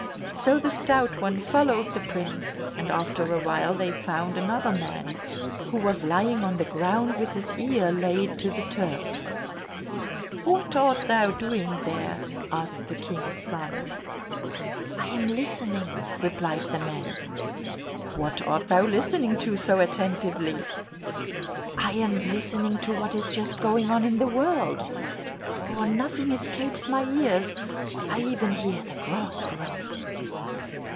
So the Stout One followed the prince, and after a while they found another man who was lying on the ground with his ear laid to the turf. "What art thou doing there?" asked the King's son. "I am listening," replied the man. "What art thou listening to so attentively?" "I am listening to what is just going on in the world, for nothing escapes my ears; I even hear the grass growing."